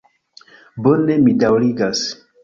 Bone, mi daŭrigas.